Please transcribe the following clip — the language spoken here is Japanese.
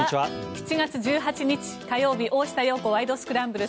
７月１８日、火曜日「大下容子ワイド！スクランブル」。